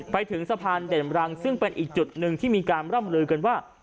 ไปถึงสะพานเด่นรังซึ่งเป็นอีกจุดหนึ่งที่มีการร่ำลือกันว่า